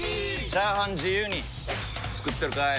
チャーハン自由に作ってるかい！？